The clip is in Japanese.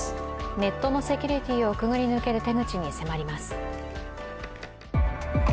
ネットのセキュリティをくぐり抜ける手口に迫ります。